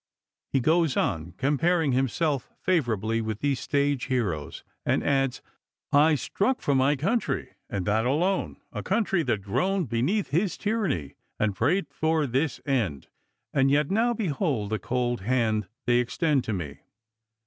He goes on comparing himself favorably with these stage heroes, and adds :" I struck for my country and that alone — a country that groaned beneath his tyranny and prayed for this end ; and yet now be hold the cold hand they extend to me."